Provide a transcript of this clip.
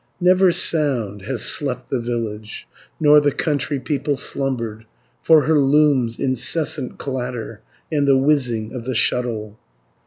40 Never sound has slept the village, Nor the country people slumbered, For her loom's incessant clatter, And the whizzing of the shuttle.